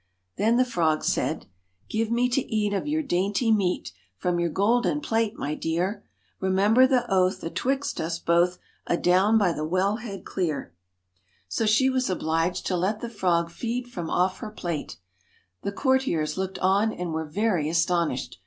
Then the frog said 1 Give me to eat of your dainty meat, From your golden plate, my dear. Remember the oath atwixt us both, Adown by the wellhead clear.' 232 So she was obliged to let the frog feed from off her THE plate. The courtiers looked on and were very astonished.